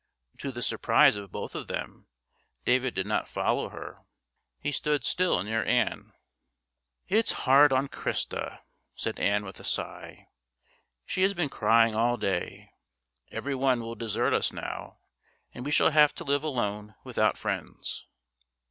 To the surprise of both of them, David did not follow her there. He stood still near Ann. "It's hard on Christa," said Ann with a sigh; "she has been crying all day. Every one will desert us now, and we shall have to live alone without friends."